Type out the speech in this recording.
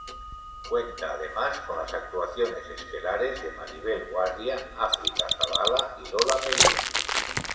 Cuenta además con las actuaciones estelares de Maribel Guardia, África Zavala y Lola Merino.